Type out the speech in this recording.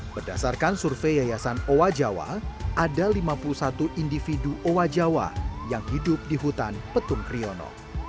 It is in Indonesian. berdasarkan survei yayasan owa jawa ada lima puluh satu individu owa jawa yang hidup di hutan petung kriono